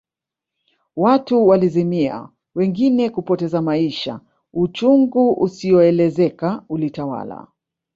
Watu walizimia wengine kupoteza maisha uchungu usioelezeka ulitawala